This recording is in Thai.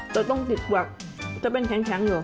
จะต้องติดกวักจะเป็นแข็งเหรอ